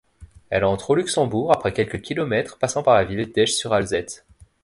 Elle entre au Luxembourg après quelques kilomètres, passant par la ville d'Esch-sur-Alzette.